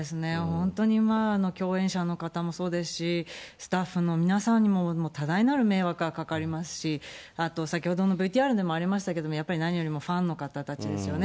本当に共演者の方もそうですし、スタッフの皆さんにも多大なる迷惑がかかりますし、あと先ほどのＶＴＲでもありましたけれども、やっぱり何よりもファンの方たちですよね。